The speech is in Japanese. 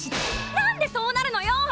なんでそうなるのよ！